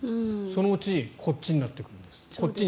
そのうちこっちになってくるんですって。